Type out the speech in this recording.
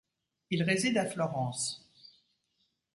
Il réside à Florence.